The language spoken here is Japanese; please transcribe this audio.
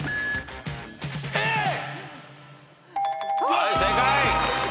はい正解。